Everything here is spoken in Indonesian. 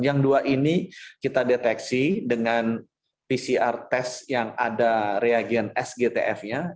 yang dua ini kita deteksi dengan pcr test yang ada reagen sgtf nya